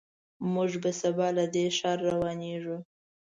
موږ به سبا له دې ښار روانېږو.